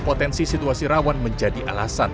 potensi situasi rawan menjadi alasan